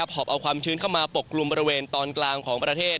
หอบเอาความชื้นเข้ามาปกกลุ่มบริเวณตอนกลางของประเทศ